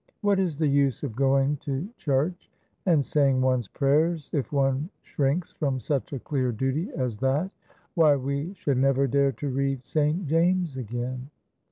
What is the use of going to church and saying one's prayers if one shrinks from such a clear duty as that? Why, we should never dare to read St. James again!"